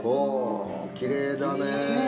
きれいだね。